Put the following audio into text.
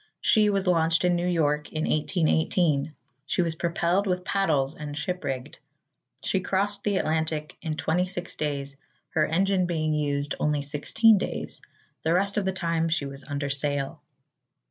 She was launched in New York in 1818. She was propelled with paddles and ship rigged. She crossed the Atlantic in 26 days, her engine being used only 16 days. The rest of the time she was under sail.